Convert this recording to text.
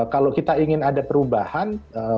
kalau kita ingin ada perubahan